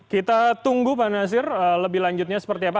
kita tunggu pak nasir lebih lanjutnya seperti apa